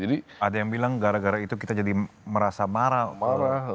ada yang bilang gara gara itu kita jadi merasa marah